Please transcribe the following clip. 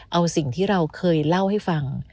เอาสิ่งที่เราเคยเล่าให้ฟัง